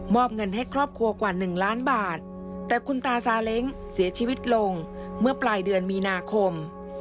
อบเงินให้ครอบครัวกว่าหนึ่งล้านบาทแต่คุณตาซาเล้งเสียชีวิตลงเมื่อปลายเดือนมีนาคม